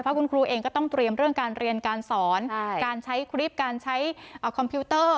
เพราะคุณครูเองก็ต้องเตรียมเรื่องการเรียนการสอนการใช้คลิปการใช้คอมพิวเตอร์